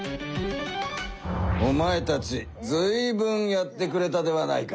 おまえたちずいぶんやってくれたではないか。